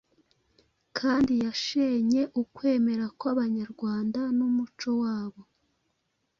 kandi yashenye ukwemera kw'Abanyarwanda n'umuco wabo.